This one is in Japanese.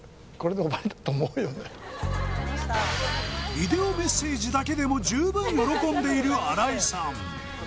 ビデオメッセージだけでも十分喜んでいる新井さん